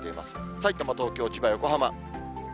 さいたま、東京、千葉、横浜。